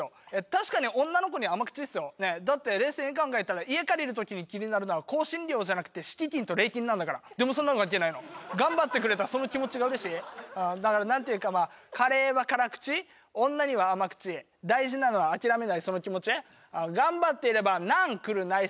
確かに女の子に甘口ですよだって冷静に考えたら家借りるときに気になるのは更新料じゃなくて敷金と礼金なんだからでもそんなの関係ないの頑張ってくれたその気持ちが嬉しいだから何ていうかまあカレーは辛口女には甘口大事なのは諦めないその気持ち頑張っていればなんくるないさ